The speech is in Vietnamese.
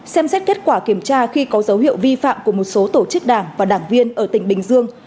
xem xét kết quả kiểm tra khi có dấu hiệu vi phạm của một số tổ chức đảng và đảng viên ở tỉnh bình dương